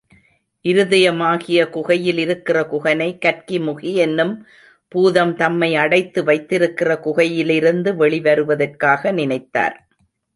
இருதயமாகிய குகையில் இருக்கிற குகனை, கற்கிமுகி என்னும் பூதம் தம்மை அடைத்து வைத்திருக்கிற குகையிலிருந்து வெளி வருவதற்காக நினைத்தார்.